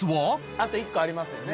あと１個ありますよね。